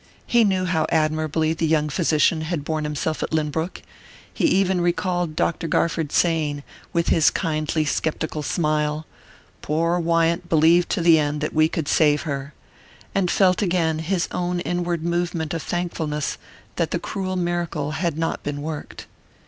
He knew how admirably the young physician had borne himself at Lynbrook; he even recalled Dr. Garford's saying, with his kindly sceptical smile: "Poor Wyant believed to the end that we could save her" and felt again his own inward movement of thankfulness that the cruel miracle had not been worked.